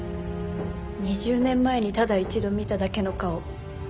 ２０年前にただ一度見ただけの顔。